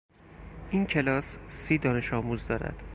این کلاس سی دانشآموز دارد.